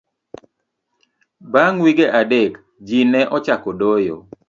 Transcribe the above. bang' wige adek ji ne ochako doyo